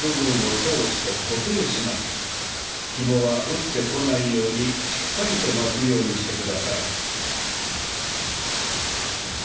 ひもは落ちてこないようにしっかりと巻くようにして下さい。